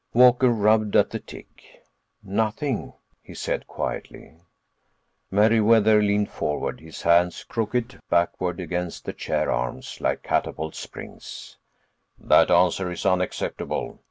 Walker rubbed at the tic. "Nothing," he said quietly. Meriwether leaned forward, his hands crooked backward against the chair arms like catapult springs. "That answer is unacceptable.